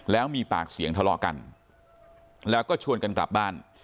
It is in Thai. แล้วมีปากเสียงทะเลาะกันแล้วก็ชวนกันกลับบ้าน